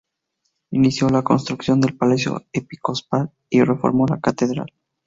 Inició la construcción del palacio episcopal y reformó la Catedral.